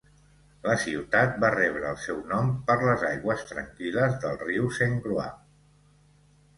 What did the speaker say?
La ciutat va rebre el seu nom per les aigües tranquil·les del riu Saint Croix.